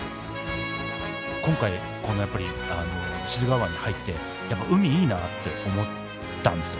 今回やっぱり志津川湾に入って海いいなって思ったんですよ